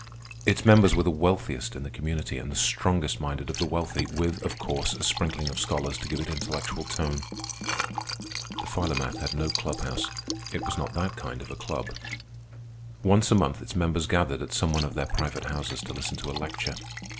Its members were the wealthiest in the community, and the strongest minded of the wealthy, with, of course, a sprinkling of scholars to give it intellectual tone. The Philomath had no club house. It was not that kind of a club. Once a month its members gathered at some one of their private houses to listen to a lecture.